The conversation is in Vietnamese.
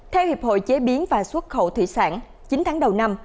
theo hiệp hội chế biến và xuất khẩu thủy sản chín tháng đầu năm